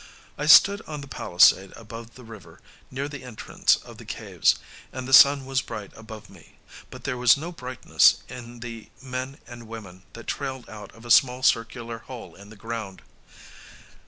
I stood on the palisade above the river, near the entrance of the caves; and the sun was bright above me; but there was no brightness in the men and women that trailed out of a small circular hole in the ground.